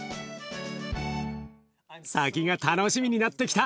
先が楽しみになってきた。